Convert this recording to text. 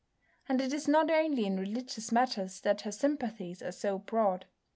And it is not only in religious matters that her sympathies are so broad.